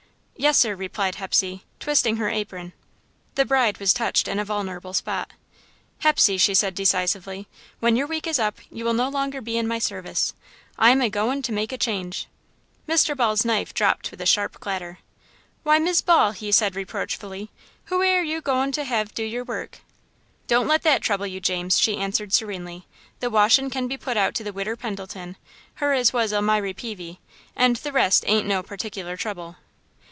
"Yes, sir," replied Hepsey, twisting her apron. The bride was touched in a vulnerable spot. "Hepsey," she said, decisively, "when your week is up, you will no longer be in my service. I am a goin'to make a change." Mr. Ball's knife dropped with a sharp clatter. "Why, Mis' Ball," he said, reproachfully, "who air you goin' to hev to do your work?" "Don't let that trouble you, James," she answered, serenely, "the washin' can be put out to the Widder Pendleton, her as was Elmiry Peavey, and the rest ain't no particular trouble."